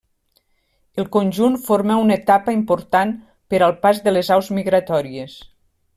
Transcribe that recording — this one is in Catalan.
El conjunt forma una etapa important per al pas de les aus migratòries.